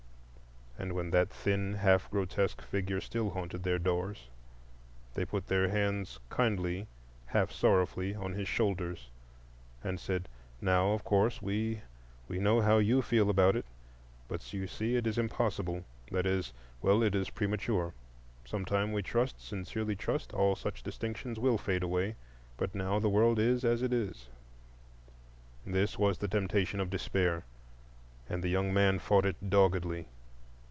And when that thin, half grotesque figure still haunted their doors, they put their hands kindly, half sorrowfully, on his shoulders, and said, "Now,—of course, we—we know how you feel about it; but you see it is impossible,—that is—well—it is premature. Sometime, we trust—sincerely trust—all such distinctions will fade away; but now the world is as it is." This was the temptation of Despair; and the young man fought it doggedly.